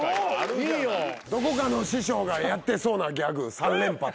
どこかの師匠がやってそうなギャグ３連発。